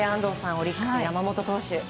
オリックスの山本投手。